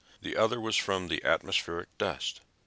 The other was from the atmospheric dust.